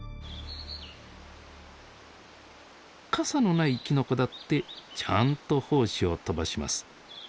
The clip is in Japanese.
傘のないきのこだってちゃんと胞子を飛ばします。